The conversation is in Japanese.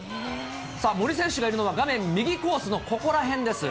森選手がいるのは画面右コースのここら辺です。